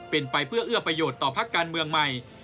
เป็นไปเพื่อเอื้อประโยชน์ต่อพักการเมืองใหม่